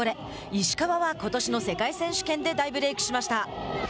石川は、ことしの世界選手権で大ブレイクしました。